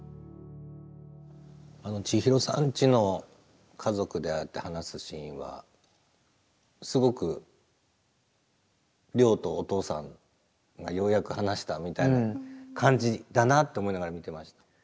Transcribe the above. あの千尋さんちの家族でああやって話すシーンはすごく亮とお父さんがようやく話したみたいな感じだなって思いながら見てました。